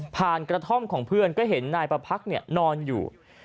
กระท่อมของเพื่อนก็เห็นนายประพักษ์นอนอยู่